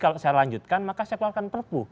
kalau saya lanjutkan maka saya keluarkan perpu